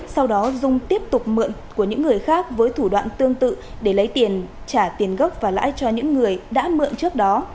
sau đó dung tiếp tục mượn của những người khác với thủ đoạn tương tự để lấy tiền trả tiền gốc và lãi cho những người đã mượn trước đó